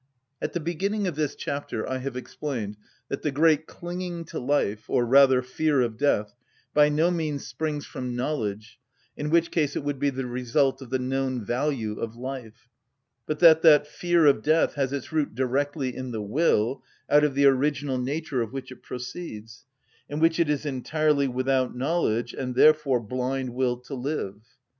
At the beginning of this chapter I have explained that the great clinging to life, or rather fear of death, by no means springs from knowledge, in which case it would be the result of the known value of life; but that that fear of death has its root directly in the will, out of the original nature of which it proceeds, in which it is entirely without knowledge, and therefore blind will to live.